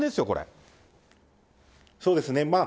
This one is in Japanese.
そうですね。